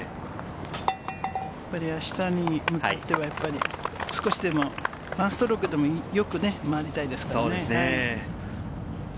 やっぱり、あしたに向かっては、やっぱり少しでも、１ストロークでもよく回りたいですからね。